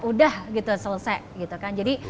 udah gitu selesai gitu kan jadi